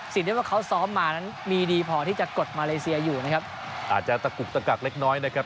ที่ว่าเขาซ้อมมานั้นมีดีพอที่จะกดมาเลเซียอยู่นะครับอาจจะตะกุกตะกักเล็กน้อยนะครับ